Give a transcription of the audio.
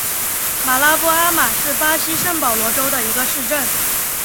马拉波阿马是巴西圣保罗州的一个市镇。